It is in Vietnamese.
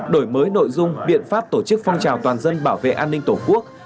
đổi mới nội dung biện pháp tổ chức phong trào toàn dân bảo vệ an ninh tổ quốc